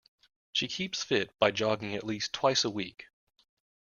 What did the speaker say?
She keeps fit by jogging at least twice a week.